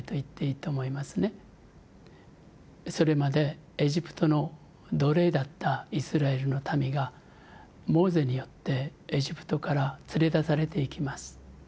それまでエジプトの奴隷だったイスラエルの民がモーゼによってエジプトから連れ出されていきます。